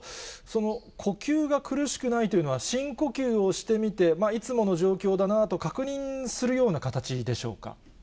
その呼吸が苦しくないというのは、深呼吸をしてみて、いつもの状況だなと確認するような形でしょうか。